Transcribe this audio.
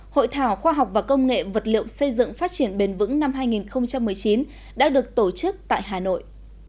hội thảo khoa học và công nghệ vật liệu xây dựng phát triển bền vững năm hai nghìn một mươi chín đã được tổ chức tại hà nội